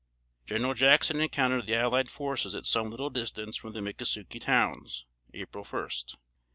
General Jackson encountered the allied forces at some little distance from the Mickasukie towns, April first.